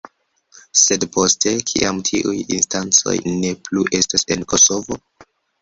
Sed poste, kiam tiuj instancoj ne plu estos en Kosovo?